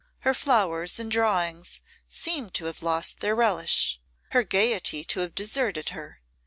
Her flowers and drawings seemed to have lost their relish; her gaiety to have deserted her.